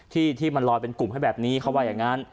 ที่มันลอยเป็นกลุ่มให้แบบนี้เขาว่าอย่างนั้น